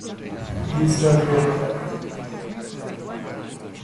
This does really happen.